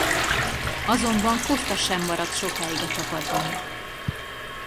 Azonban Costa sem maradt sokáig a csapatban.